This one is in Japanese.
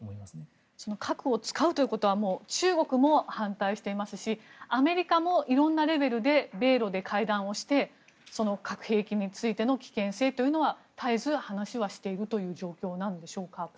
核を使うということは中国も反対していますしアメリカもいろんなレベルで米ロで会談をして核兵器の危険性というのは絶えず話しているという状況なんでしょうか。